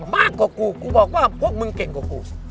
มากกว่ากูกูบอกว่าพวกมึงเก่งกว่ากู